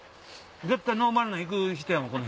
絶対ノーマルの行く人やもん